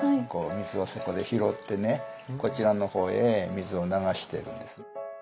水をそこで拾ってねこちらの方へ水を流してるんです。